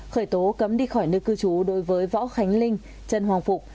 khởi tố cấm đi khỏi nơi cư trú đối với võ khánh linh trần hoàng phục